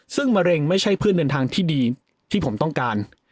ซึ่งมะเร็งไม่ใช่พืชเดินทางที่ดีที่ผมต้องการ